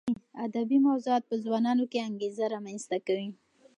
ادبي موضوعات په ځوانانو کې انګېزه رامنځته کوي.